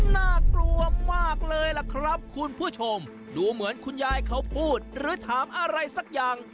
น่ากลัวมากเลยล่ะครับคุณผู้ชมดูเหมือนคุณยายเขาพูดหรือถามอะไรสักอย่าง